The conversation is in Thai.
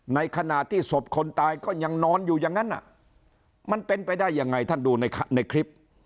ในขณะที่ศพคนตายก็ยังนอนอยู่อย่างนั้นมันเป็นไปได้ยังไงท่านดูในคลิป